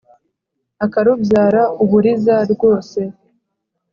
akarubyara uburiza, rwose